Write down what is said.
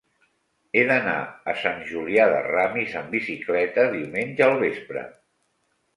He d'anar a Sant Julià de Ramis amb bicicleta diumenge al vespre.